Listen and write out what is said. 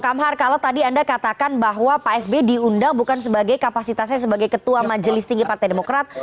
kamhar kalau tadi anda katakan bahwa pak sb diundang bukan sebagai kapasitasnya sebagai ketua majelis tinggi partai demokrat